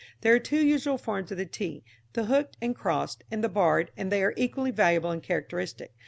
There are two usual forms of the t, the hooked and crossed, and the barred, and they are equally valuable and characteristic.